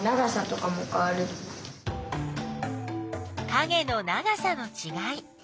かげの長さのちがい。